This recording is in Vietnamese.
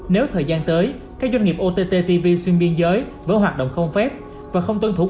nếu thời gian tới các doanh nghiệp ott tv xuyên biên giới với hoạt động không phép và không tuân thủ